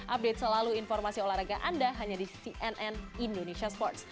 update selalu informasi olahraga anda hanya di cnn indonesia sports